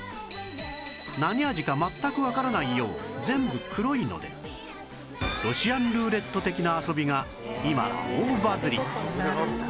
何味か全くわからないよう全部黒いのでロシアンルーレット的な遊びが今大バズり